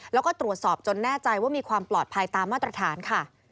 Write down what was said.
แล้วก็ตรวจสอบจนแน่ใจว่ามีความปลอดภัยตามมาตรฐานค่ะ